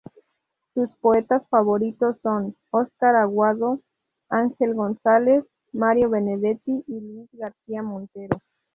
Sus poetas favoritos son Óscar Aguado, Ángel González, Mario Benedetti y Luis García Montero.